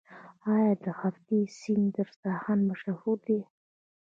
آیا د هفت سین دسترخان مشهور نه دی؟